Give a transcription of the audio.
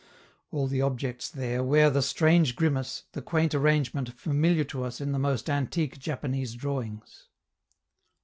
All the objects there wear the strange grimace, the quaint arrangement familiar to us in the most antique Japanese drawings.